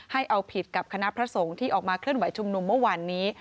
ให้เอาผิดกับคณะพระสงฆ์ที่ออกมาเคลื่อนไหวชุมนุมเมื่อวานนี้